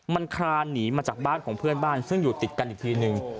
มันคลานหนีมาจากบ้านของเพื่อนบ้านซึ่งอยู่ติดกันอีกทีนึง